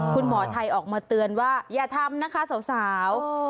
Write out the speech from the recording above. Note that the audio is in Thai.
คุณหมอไทยออกมาเตือนว่าอย่าทำนะคะสาว